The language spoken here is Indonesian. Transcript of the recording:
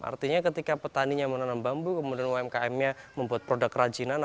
artinya ketika petaninya menanam bambu kemudian umkm nya membuat produk kerajinan